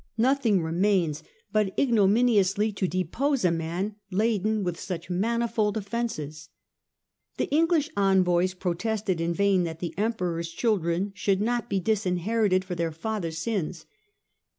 Nothing remains but ignominiously to depose a man laden with such manifold offences." The English envoys protested in vain that the Emperor's children should not be disinherited for their father's sins.